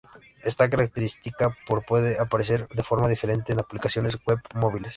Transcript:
Esta característica puede aparecer de forma diferente en aplicaciones web móviles.